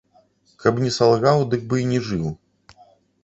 Каб не салгаў, дык бы і не жыў.